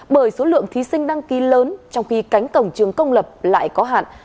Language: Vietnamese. bởi số lượng thí sinh đăng ký lớn trong khi cánh cổng trường công lập lại có hạn